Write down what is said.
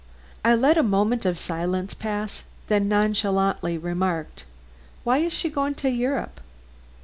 I let a moment of silence pass, then nonchalantly remarked: "Why is she going to Europe?"